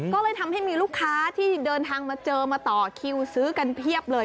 ก็เลยทำให้มีลูกค้าที่เดินทางมาเจอมาต่อคิวซื้อกันเพียบเลย